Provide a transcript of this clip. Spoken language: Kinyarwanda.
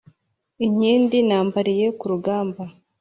Inkindi nambariye ku rugamba